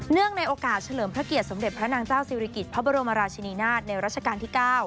ในโอกาสเฉลิมพระเกียรติสมเด็จพระนางเจ้าศิริกิจพระบรมราชินีนาฏในรัชกาลที่๙